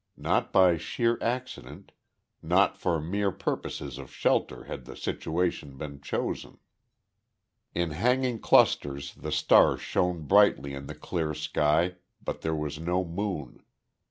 Not by sheer accident, not for mere purposes of shelter had the situation been chosen. In hanging clusters the stars shone brightly in the clear sky, but there was no moon.